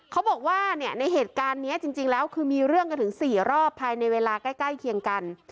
เขาบอกว่าเนี่ยในเหตุการณ์นี้จริงแล้วคือมีเรื่องกันถึง๔รอบภายในเวลาใกล้เคียงกัน